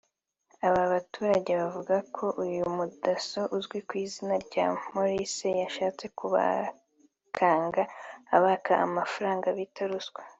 Aba baturage bavuga ko uyu mu Dasso uzwi ku izina rya Maurice yashatse kubakanga abaka amafaranga bita ruswa